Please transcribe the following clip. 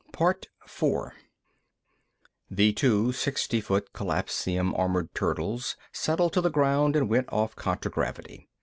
The two sixty foot collapsium armored turtles settled to the ground and went off contragravity.